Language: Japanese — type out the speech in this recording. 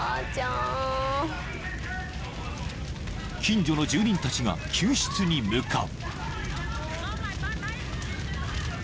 ［近所の住人たちが救出に向かう］